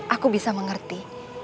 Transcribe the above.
aku bisa mengerti